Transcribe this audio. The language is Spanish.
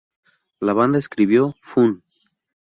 La banda escribió ""Fun.